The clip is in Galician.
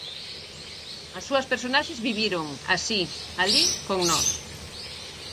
As súas personaxes viviron, así, alí, con nós.